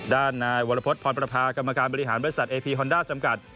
ด้านนายวรพฤษพรประพากรรมการบริหารบริษัทเอพีฮอนด้าจำกัด